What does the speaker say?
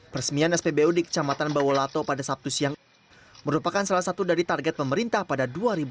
peresmian spbu di kecamatan bawolato pada sabtu siang merupakan salah satu dari target pemerintah pada dua ribu dua puluh